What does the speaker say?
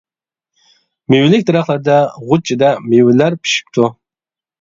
مېۋىلىك دەرەخلەردە غۇچچىدە مېۋىلەر پىشىپتۇ.